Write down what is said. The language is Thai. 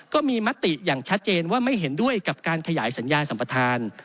ก็มีมติอย่างชัดเจนว่าไม่เห็นด้วยกับการขยายสัญญาสัมปทาน